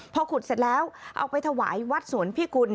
พอขุดเสร็จแล้วเอาไปถวายวัดสวนพิกุล